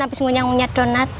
abis ngunyak ngunyak donat